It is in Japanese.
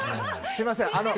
すみません。